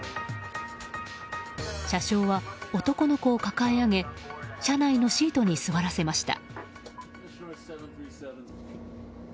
車掌は男の子を抱え上げ車内のシートに座らせました。